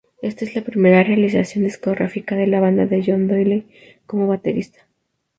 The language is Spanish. Este es la primera realización discográfica de la banda con John Doyle como baterista.